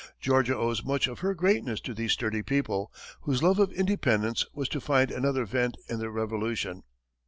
Georgia owes much of her greatness to these sturdy people, whose love of independence was to find another vent in the Revolution.